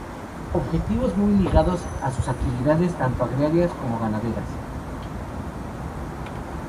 Objetos muy ligados a sus actividades tanto agrarias como ganaderas.